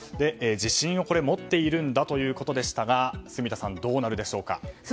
自信を持っているんだということでしたが住田さん、どうなるでしょうか。